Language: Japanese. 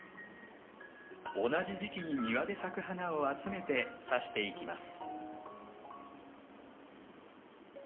同じ時期に庭で咲く花を集めて挿していきます。